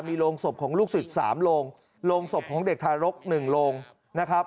มีโรงศพของลูกสุดสามโรงโรงศพของเด็กธารกษ์หนึ่งโรงนะครับ